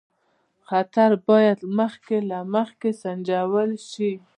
خطر باید مخکې له مخکې سنجول شي.